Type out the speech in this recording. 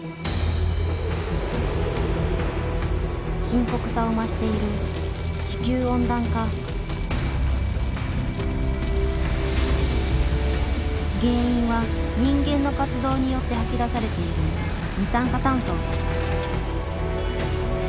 深刻さを増している原因は人間の活動によって吐き出されている二酸化炭素。